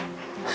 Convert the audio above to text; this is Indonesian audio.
selamat pagi pak